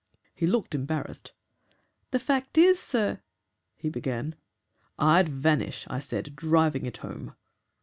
"He looked embarrassed. 'The fact IS, sir ' he began. "'I'd vanish,' I said, driving it home.